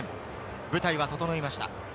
舞台は整いました。